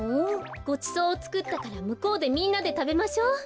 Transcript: ごちそうをつくったからむこうでみんなでたべましょう。